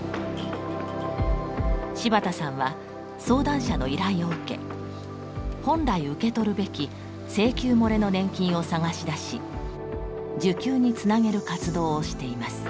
柴田さんは相談者の依頼を受け本来受け取るべき「請求もれの年金」を探し出し受給につなげる活動をしています。